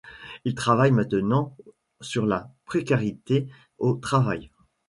Il travaille maintenant sur la précarité au travail.